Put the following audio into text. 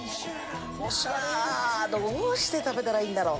いやどうして食べたらいいんだろう？